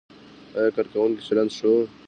ایا کارکوونکو چلند ښه و؟